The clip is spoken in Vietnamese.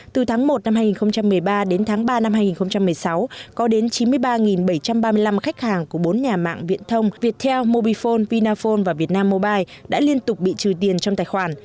từ tháng một năm hai nghìn một mươi ba đến tháng ba năm hai nghìn một mươi sáu có đến chín mươi ba bảy trăm ba mươi năm khách hàng của bốn nhà mạng viễn thông viettel mobifone vinaphone và việt nam mobile đã liên tục bị trừ tiền trong tài khoản